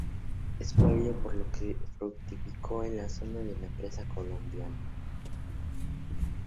Es por ello por lo que fructificó en la zona la empresa colombina.